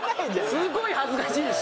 すごい恥ずかしいし。